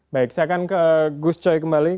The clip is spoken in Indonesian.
baik saya akan ke gus coy kembali